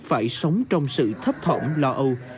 phải sống trong sự thấp thỏng lò âu